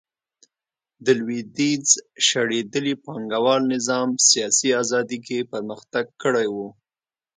د لوېدیځ شړېدلي پانګوال نظام سیاسي ازادي کې پرمختګ کړی و